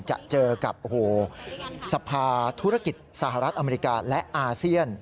จะเจอกับสภาธุรกิจสหรัฐอเมริกาและอาเซียน